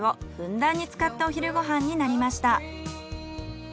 ふんだんに使ったお昼ご飯になりました。